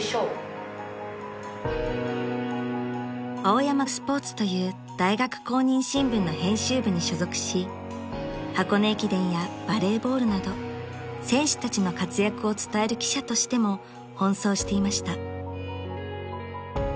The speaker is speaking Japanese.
［青山スポーツという大学公認新聞の編集部に所属し箱根駅伝やバレーボールなど選手たちの活躍を伝える記者としても奔走していました］